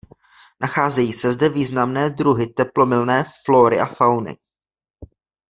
Nacházejí se zde významné druhy teplomilné flóry a fauny.